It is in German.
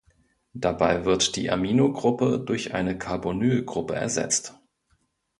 Dabei wird die Aminogruppe durch eine Carbonylgruppe ersetzt.